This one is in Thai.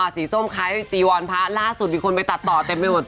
ส้มคล้ายจีวรพระล่าสุดมีคนไปตัดต่อเต็มไปหมด